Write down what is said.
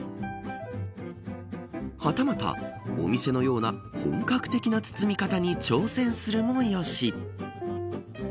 はたまたお店のような本格的な包み方に挑戦するもよし。